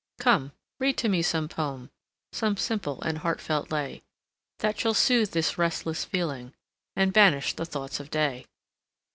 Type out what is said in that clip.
Come, read to me some poem, Some simple and heartfelt lay, That shall soothe this restless feeling, And banish the thoughts of day.